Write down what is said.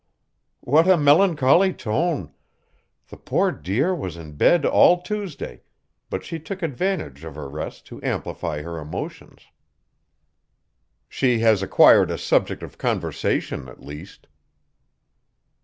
"What a melancholy tone! The poor dear was in bed all Tuesday, but she took advantage of her rest to amplify her emotions." "She has acquired a subject of conversation, at least."